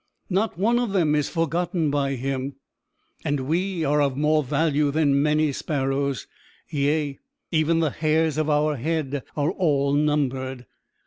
Not one of them is forgotten by him; and we are of more value than many sparrows; yea, even the hairs of our head are all numbered.